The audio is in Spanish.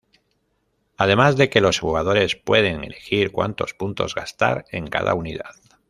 Además de que los jugadores pueden elegir cuantos puntos gastar en cada unidad.